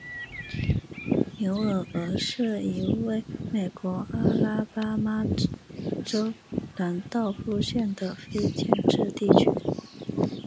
纽厄尔是一个位于美国阿拉巴马州兰道夫县的非建制地区。